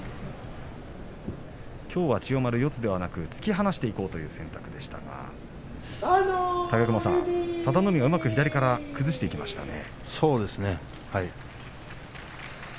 きょうは千代丸、四つではなく突き放していこうという選択でしたが武隈さん、佐田の海がうまく左から崩していきましたね。